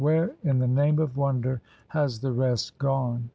Where, in the name of wonder, has the rest gone?"